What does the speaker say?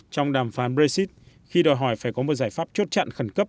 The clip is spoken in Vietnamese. trong đàm phán brexit khi đòi hỏi phải có một giải pháp chốt chặn khẩn cấp